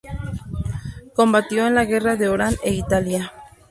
Combatió en la guerra de Orán e Italia.